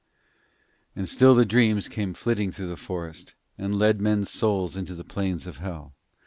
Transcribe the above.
And still the dreams came flitting through the forest, and led men's souls into the plains of Hell.